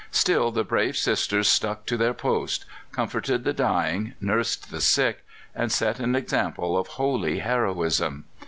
Still the brave Sisters stuck to their post, comforted the dying, nursed the sick, and set an example of holy heroism.